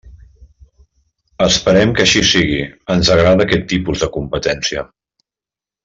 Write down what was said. Esperem que així sigui, ens agrada aquest tipus de competència.